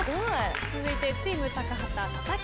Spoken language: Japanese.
続いてチーム高畑佐々木さん。